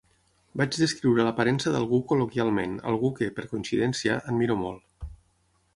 Vaig descriure l'aparença d'algú col·loquialment, algú que, per coincidència, admiro molt.